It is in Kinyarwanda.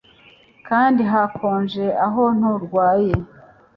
kandi hakonje aho nturwaye